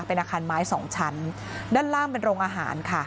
เป็นอาคารไม้สองชั้นด้านล่างเป็นโรงอาหารค่ะ